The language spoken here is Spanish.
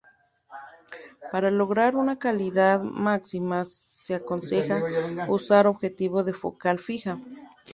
Para lograr una calidad máxima se aconseja usar objetivos de focal fija.